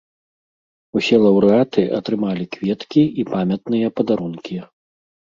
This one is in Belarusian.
Усе лаўрэаты атрымалі кветкі і памятныя падарункі.